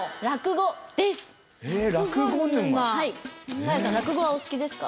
サーヤさん落語はお好きですか？